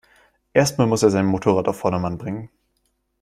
Erst mal muss er sein Motorrad auf Vordermann bringen.